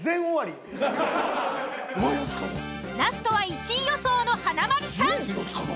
ラストは１位予想の華丸さん。